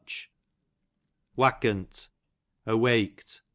Wack'nt, awaked.